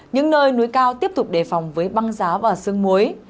những nơi núi cao tiếp tục đề phòng với băng giá và sương muối